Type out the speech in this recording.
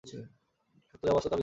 সত্য যা বাস্তব, যা বিদ্যমান।